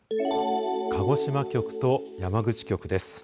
鹿児島局と山口局です。